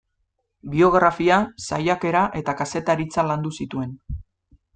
Biografia, saiakera eta kazetaritza landu zituen.